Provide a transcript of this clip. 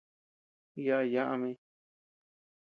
Yaʼa ñaʼa mii.